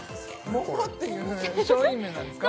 「もも」っていう商品名なんですか？